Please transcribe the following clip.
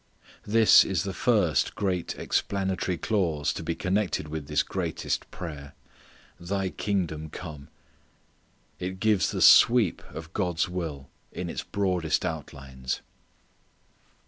This is the first great explanatory clause to be connected with this greatest prayer, "Thy kingdom come." It gives the sweep of God's will in its broadest outlines.